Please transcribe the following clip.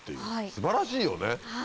素晴らしいよね！